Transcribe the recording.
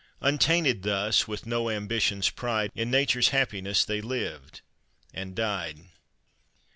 Untainted thus, with no ambition's pride, In Nature's happiness they lived and died.